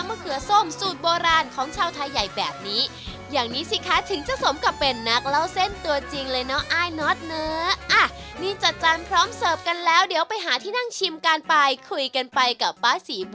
ใส่เกลือนิดหน่อยใส่เกลือนิดหน่อยใส่เกลือนิดหน่อยใส่เกลือนิดหน่อยใส่เกลือนิดหน่อยใส่เกลือนิดหน่อยใส่เกลือนิดหน่อย